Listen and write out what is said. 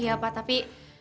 iya pak tapi